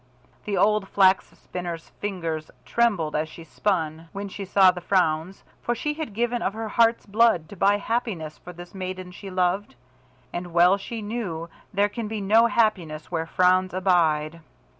The old Flax spinner's fingers trembled as she spun, when she saw the frowns, for she had given of her heart's blood to buy happiness for this maiden she loved, and well she knew there can be no happiness where frowns abide.